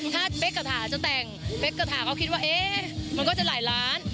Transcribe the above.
ถ้าเป๊กกระถาจะแต่งเป๊กกระถาก็คิดว่าเอ๊ะมันก็จะหลายล้าน